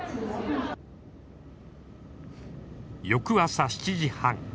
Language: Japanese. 翌朝７時半。